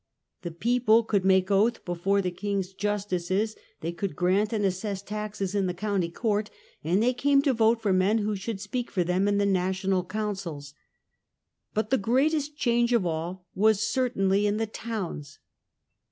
The people could make oath before the king's justices, they could grant and assess taxes in the county court, and they came to vote for men who should speak for them in the national councils. But the greatest change of all was certainly in the towns.